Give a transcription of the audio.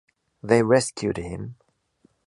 They rescued him.